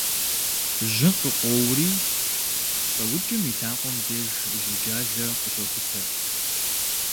Жьы къыкъуоури лӏыукӏым и лъакъуэм деж жьуджалэ къыщохутэ.